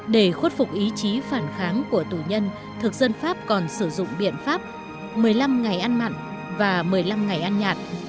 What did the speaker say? để khuất phục ý chí phản kháng của tù nhân thực dân pháp còn sử dụng biện pháp một mươi năm ngày ăn mặn và một mươi năm ngày ăn nhạt